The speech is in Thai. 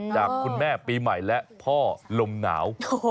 จากคุณแม่ปีใหม่และพ่อลมหนาว